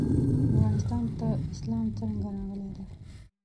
افغانستان ته اسلام څنګه راغلی دی؟